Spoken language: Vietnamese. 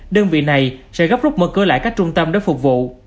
đơn vị này sẽ gấp rút mất cơ lại các trung tâm để phục vụ